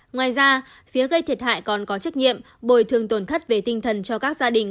ngoài ra phía gây thiệt hại còn có trách nhiệm bồi thường tổn thất về tinh thần cho các gia đình